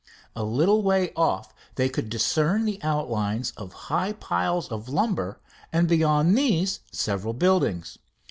A little way off they could discern the outlines of high piles of lumber and beyond these several buildings.